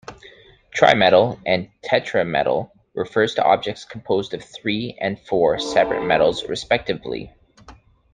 Trimetal and tetrametal refer to objects composed of three and four separate metals respectively.